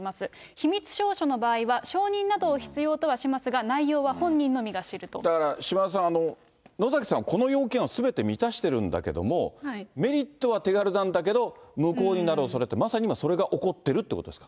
秘密証書の場合は、証人などを必要とはしますが、内容は本人のみだから島田さん、野崎さんはこの要件をすべて満たしてるんだけど、メリットは手軽なんだけど、無効になるおそれって、まさに今、それが起こってるっていうことですか。